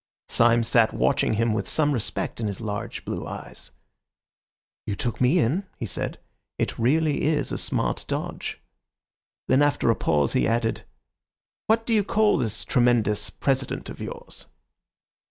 Syme sat watching him with some respect in his large, blue eyes. "You took me in," he said. "It is really a smart dodge." Then after a pause he added— "What do you call this tremendous President of yours?"